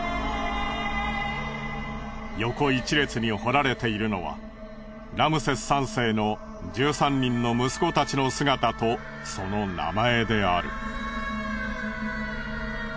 横一列に彫られているのはラムセス３世の１３人の息子たちの姿とその名前である。